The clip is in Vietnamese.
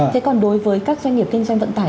thế còn đối với các doanh nghiệp kinh doanh vận tải